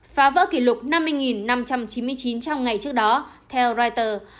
phá vỡ kỷ lục năm mươi năm trăm chín mươi chín trong ngày trước đó theo reuters